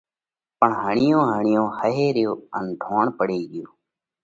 پڻ هڻِيون هڻِيون ۿئي ريو ان ڍوڻ پڙي ڳيو۔